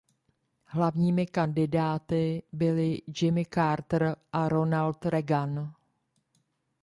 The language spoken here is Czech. Hlavními kandidáty byli Jimmy Carter a Ronald Reagan.